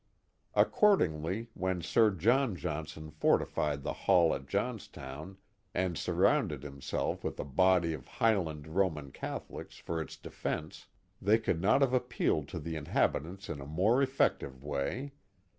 Accordingly, when Sir John Johnson fortified the hall at Johnstown and surrounded himself with a body of Highland Roman Catholics for its defence, they could not have appealed to the inhabitants in a more effective way.